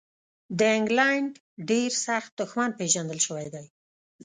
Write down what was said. د انګلینډ ډېر سخت دښمن پېژندل شوی دی.